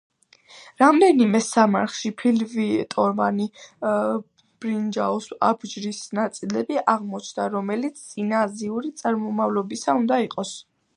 რამდენიმე სამარხში ფირფიტოვანი ბრინჯაოს აბჯრის ნაწილები აღმოჩნდა, რომლებიც წინააზიური წარმომავლობისა უნდა იყოს.